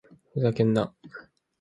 ふざけんな！